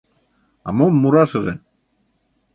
А мом мурашыже?